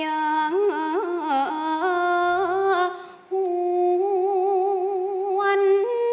อะอะอะห่วง